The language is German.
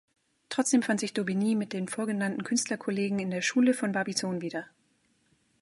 Trotzdem fand sich Daubigny mit den vorgenannten Künstlerkollegen in der Schule von Barbizon wieder.